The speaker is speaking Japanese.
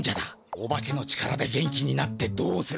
おばけの力で元気になってどうする。